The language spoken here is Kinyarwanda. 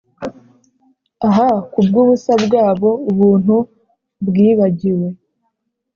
ah, kubwubusa bwabo, ubuntu bwibagiwe,